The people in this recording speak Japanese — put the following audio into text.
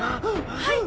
はい！